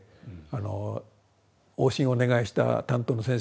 往診をお願いした担当の先生の死亡診断